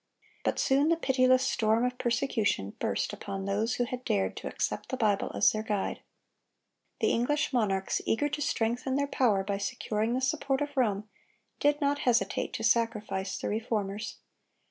But soon the pitiless storm of persecution burst upon those who had dared to accept the Bible as their guide. The English monarchs, eager to strengthen their power by securing the support of Rome, did not hesitate to sacrifice the Reformers.